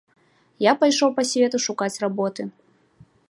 Я пайшоў па свету шукаць работы.